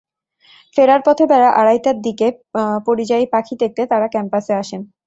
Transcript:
ফেরার পথে বেলা আড়াইটার দিকে পরিযায়ী পাখি দেখতে তাঁরা ক্যাম্পসে আসেন।